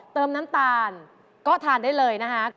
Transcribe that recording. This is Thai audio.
เติมน้ำตาลก็ทานได้เลยนะคะ